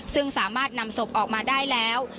ซึ่งสามารถนำศพออกมาได้แล้ว